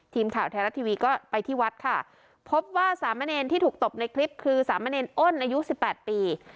ทีมข่าวไทยรัฐทีวีก็ไปที่วัดค่ะพบว่าสามเณรที่ถูกตบในคลิปคือสามเณรอ้นอายุสิบแปดปี